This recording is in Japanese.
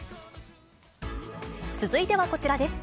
続いてはこちらです。